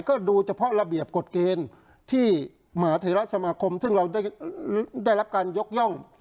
ก็ดูเฉพาะระเบียบกฎเกณฑ์ที่มหาเทราสมาคมซึ่งเราได้รับการยกย่อง